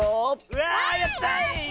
うわやった！